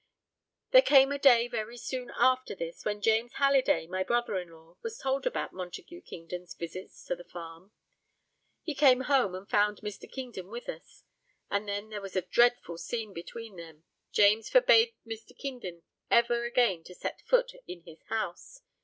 There came a day very soon after this when James Halliday, my brother in law, was told about Montague Kingdon's visits to the farm. He came home and found Mr. Kingdon with us; and then there was a dreadful scene between them. James forbade Mr. Kingdon ever again to set foot in his house.